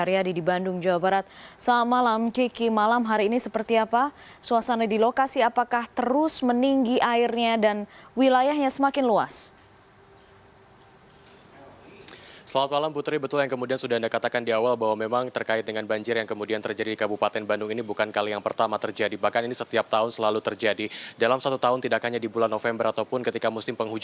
sejumlah warga kampung bojong asih mulai mengungsi ke gerbang gerbang yang berada di kampung bojong asih